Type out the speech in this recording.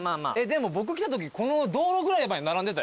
でも僕来たときこの道路ぐらいまで並んでたよ。